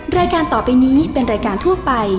รายการต่อไปนี้เป็นรายการทั่วไป